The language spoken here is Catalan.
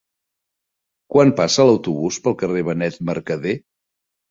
Quan passa l'autobús pel carrer Benet Mercadé?